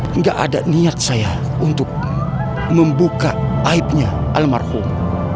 tidak ada niat saya untuk membuka aibnya almarhum